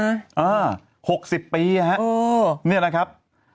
อ้าว๖๐ปีนะครับ